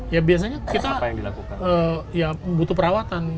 ya biasanya kita butuh perawatan